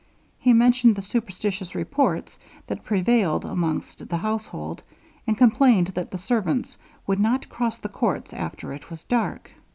He mentioned the superstitious reports that prevailed amongst the household, and complained that the servants would not cross the courts after it was dark.